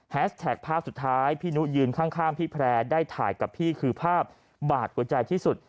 แท็กภาพสุดท้ายพี่นุยืนข้างพี่แพร่ได้ถ่ายกับพี่คือภาพบาดหัวใจที่สุด